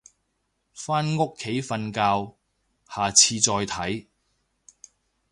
返屋企瞓覺，下次再睇